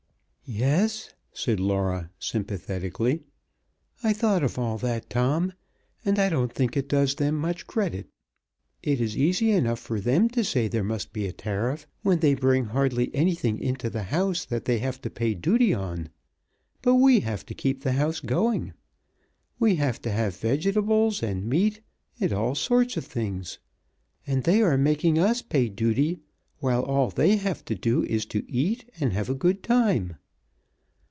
"Yes," said Laura sympathetically. "I thought of all that, Tom, and I don't think it does them much credit. It is easy enough for them to say there must be a tariff, when they bring hardly anything into the house that they have to pay duty on, but we have to keep the house going. We have to have vegetables and meat and all sorts of things, and they are making us pay duty, while all they have to do is to eat and have a good time.